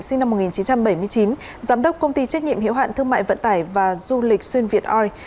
sinh năm một nghìn chín trăm bảy mươi chín giám đốc công ty trách nhiệm hiệu hạn thương mại vận tải và du lịch xuyên việt oi